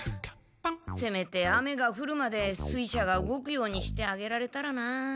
せめて雨がふるまで水車が動くようにしてあげられたらなあ。